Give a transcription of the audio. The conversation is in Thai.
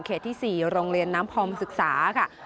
ที่๔โรงเรียนน้ำพอมศึกษาค่ะ